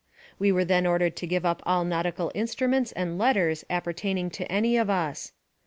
We were then ordered to give up all nautical instruments and letters appertaining to any of us.